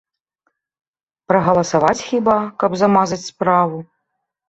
Прагаласаваць хіба, каб замазаць справу?